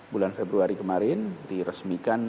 bulan februari kemarin diresmikan